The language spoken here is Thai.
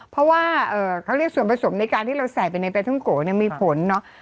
เพราะว่าเขาเรียกส่วนผสมในการที่เราใส่ไปในปลาท่องโกะเนี่ยมีผลเนอะ